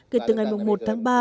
kể từ ngày mùng một tháng ba